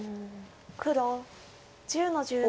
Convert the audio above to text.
黒１０の十七。